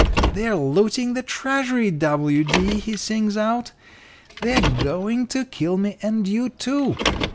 "'They're looting the treasury, W. D.,' he sings out. 'They're going to kill me and you, too.